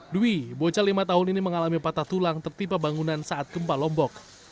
dwi bocah lima tahun ini mengalami patah tulang tertimpa bangunan saat gempa lombok